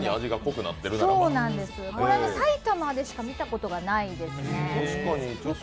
埼玉でしか見たことがないですね。